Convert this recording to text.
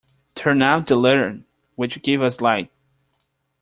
Turn out the lantern which gives us light.